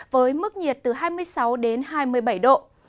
với mức nhiệt từ hai mươi sáu đến hai mươi bảy độ